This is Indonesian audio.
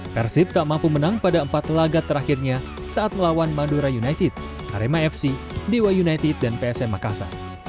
persib tak mampu menang pada empat laga terakhirnya saat melawan madura united arema fc dewa united dan psm makassar